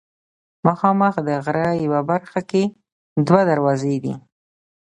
مخامخ د غره یوه برخه کې دوه دروازې دي.